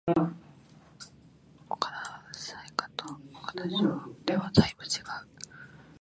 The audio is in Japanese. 岡田紗佳と岡田彰布ではだいぶ違う